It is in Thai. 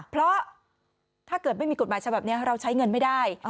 เพราะถ้าเกิดไม่มีกฎหมายฉบับนี้เราใช้เงินไม่ได้